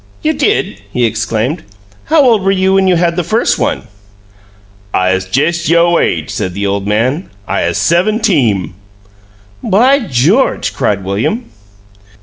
"You did!" he exclaimed. "How old were you when you had the first one?" "I 'uz jes' yo' age," said the old man. "I 'uz seventeem." "By George!" cried William.